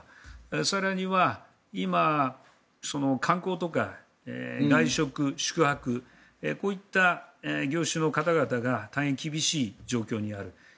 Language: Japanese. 更には、今観光とか外食、宿泊こういった業種の方々が大変厳しい状況にあります。